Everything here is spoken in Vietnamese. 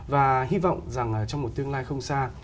và hy vọng rằng trong một tương lai không xa